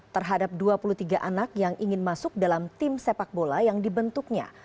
terhadap dua puluh tiga anak yang ingin masuk dalam tim sepak bola yang dibentuknya